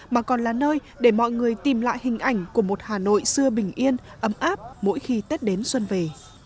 mà còn là nơi để mọi người tìm lại hình ảnh của một hà nội xưa bình yên ấm áp mỗi khi tết đến xuân về